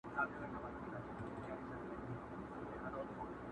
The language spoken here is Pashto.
د خوشحال غزل غزل مي دُر دانه دی,